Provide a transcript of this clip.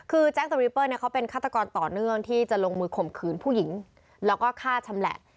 คือแจ้งตรีเปอร์เนี่ยเขาเป็นฆาตกรต่อเนื่องที่จะลงมือข่มขืนผู้หญิงแล้วก็ฆ่าชำแหละ